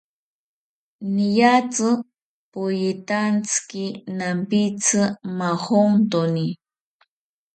Niatzi poyitantziki nampitzi majontoni